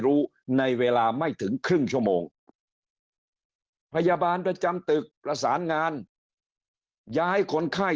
รู้ในเวลาไม่ถึงครึ่งชั่วโมงพยาบาลประจำตึกประสานงานย้ายคนไข้